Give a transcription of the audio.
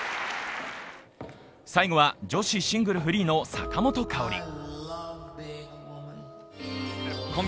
最後は、女子シングルフリーの坂本花織。